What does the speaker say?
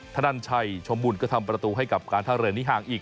นันชัยชมบุญก็ทำประตูให้กับการท่าเรือนี้ห่างอีก